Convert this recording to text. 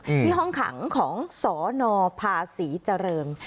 อืมที่ห้องขังของสนพาศรีเจริญ